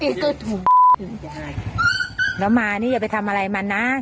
อีกก็ถูกแล้วมานี่อย่าไปทำอะไรมันนะ